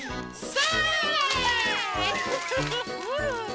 それ。